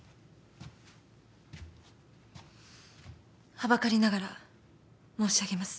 はばかりながら申し上げます。